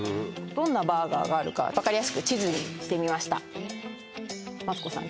どんなバーガーがあるか分かりやすく地図にしてみましたマツコさん